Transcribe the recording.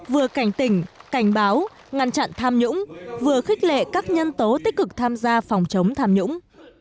vừa cảnh tỉnh cảnh báo ngăn chặn tham nhũng vừa khích lệ các nhân tố tích cực tham gia phòng chống tham nhũng